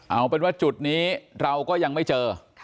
เอาเป็นว่าจุดนี้เราก็ยังไม่เจอ